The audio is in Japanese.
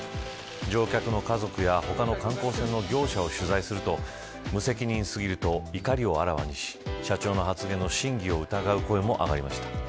乗客の家族や他の観光船の業者を取材すると無責任すぎると怒りをあらわにし社長の発言の真偽を疑う声もありました。